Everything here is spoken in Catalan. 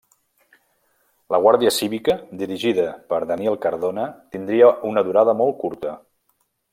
La Guàrdia Cívica dirigida per Daniel Cardona tindria una durada molt curta.